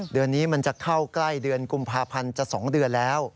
เดือนนี้มันจะเข้าใกล้เดือนกุมภาพันธ์จะ๒เดือนแล้ว